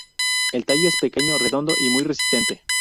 El tallo es pequeño, redondo y muy resistente.